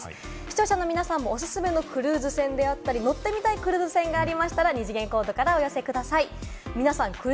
視聴者の皆さんもおすすめのクルーズ船であったり、乗ってみたいクルーズ船があったら二次元コードからお寄せください。